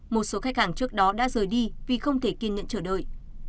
một số khách hàng trước đó đã rời đi vì không thể kiên nhẫn chờ đợi